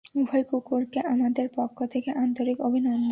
উভয় কুকুরকে আমাদের পক্ষ থেকে আন্তরিক অভিনন্দন।